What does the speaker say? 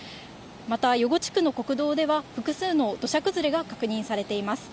また、余呉地区の国道では、複数の土砂崩れが確認されています。